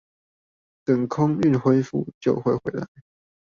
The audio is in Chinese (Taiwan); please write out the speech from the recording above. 等空運恢復就會回來